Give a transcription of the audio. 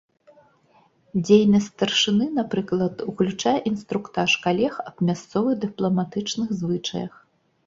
Дзейнасць старшыны, напрыклад, уключае інструктаж калег аб мясцовых дыпламатычных звычаях.